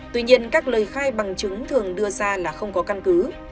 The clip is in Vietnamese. tuy nhiên các lời khai bằng chứng thường đưa ra là không có căn cứ